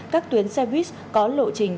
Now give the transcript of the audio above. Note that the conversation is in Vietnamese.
các tuyến xe buýt có lộ trình